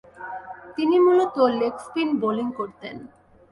তিনি মূলতঃ leg spin bowling করতেন।